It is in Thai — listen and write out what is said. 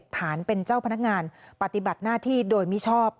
ฐานเป็นเจ้าพนักงานปฏิบัติหน้าที่โดยมิชอบ